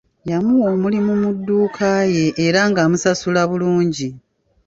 Yamuwa omulimu mu dduuka ye era ng'amusasula bulungi.